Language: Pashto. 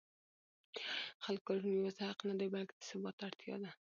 د خلکو ګډون یوازې حق نه دی بلکې د ثبات اړتیا ده